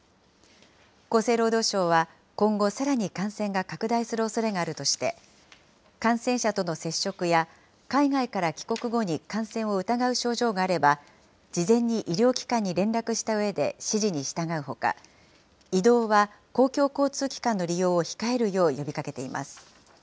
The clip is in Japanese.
厚生労働省は、今後、さらに感染が拡大するおそれがあるとして、感染者との接触や、海外から帰国後に感染を疑う症状があれば、事前に医療機関に連絡したうえで指示に従うほか、移動は公共交通機関の利用を控えるよう呼びかけています。